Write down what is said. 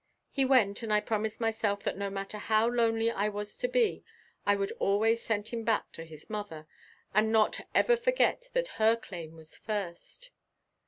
He went and I promised myself that no matter how lonely I was to be I would always send him back to his mother and not ever forget that her claim was first.